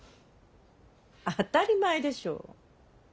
当たり前でしょう。